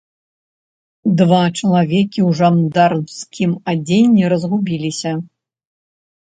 Два чалавекі ў жандарскім адзенні разгубіліся.